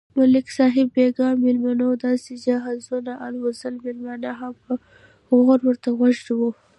ملک صاحب بیگا مېلمنوته داسې جهازونه الوزول، مېلمانه هم په غور ورته غوږ و.